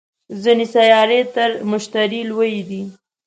ځینې سیارې تر مشتري لویې دي